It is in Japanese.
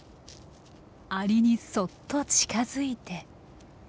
アリにそっと近づいて。